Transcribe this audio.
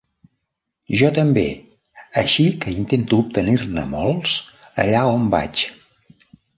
Jo també, així que intento obtenir-ne molts allà on vaig.